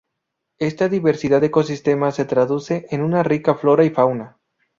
Esta diversidad de ecosistemas se traduce en una rica flora y fauna.